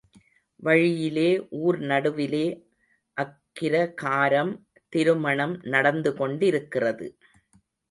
வழியிலே, ஊர் நடுவிலே அக்கிரகாரம்—திருமணம் நடந்து கொண்டிருக்கிறது.